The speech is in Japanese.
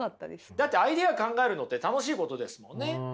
だってアイデア考えるのって楽しいことですもんね。